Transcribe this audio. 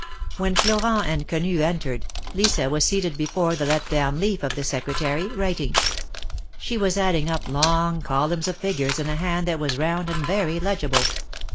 When Florent and Quenu entered, Lisa was seated before the let down leaf of the Secretary, writing. She was adding up long columns of figures in a hand that was round and very legible.